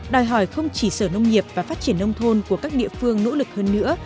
đòi hỏi không chỉ sở nông nghiệp và phát triển nông thôn của các địa phương nỗ lực hơn nữa